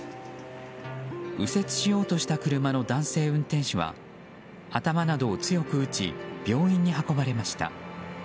右折しようとした車の男性運転手は頭などを強く打ち病院に運ばれました。